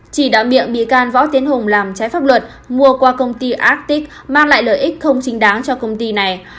chỉ đã bị can võ tiến hùng làm trái pháp luật mua qua công ty actic mang lại lợi ích không chính đáng cho công ty này